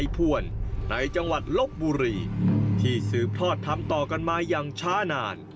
เพราะนี่คือพิธีกรรมโบราณที่หาดูได้ยาก